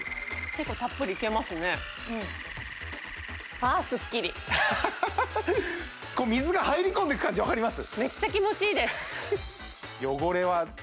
結構たっぷりいけますねうんああこう水が入り込んでいく感じ分かります？